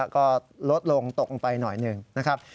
ก็ลดลงตกลงไปหน่อยหนึ่งนะครับ